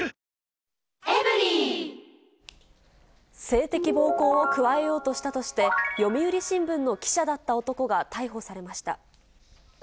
性的暴行を加えようとしたとして、読売新聞の記者だった男が逮捕されました。